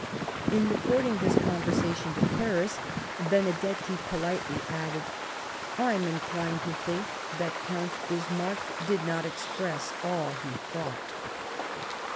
In reporting this conversation to Paris, Benedetti politely added :" I am inclined to think that Count Bismarck did not express all he thought."